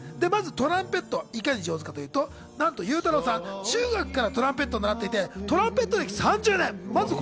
トランペット、いかに上手かということ、ゆうたろうさん、中学からトランペットを習っていてトランペット歴３０年。